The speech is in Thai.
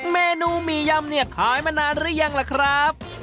เมนูหมี่ยำเนี่ยขายมานานหรือยังล่ะครับ